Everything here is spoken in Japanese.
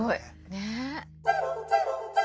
ねえ。